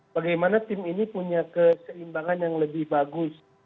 bagaimana tim ini punya keseimbangan yang lebih bagus